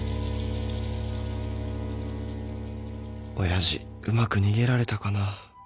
親父うまく逃げられたかな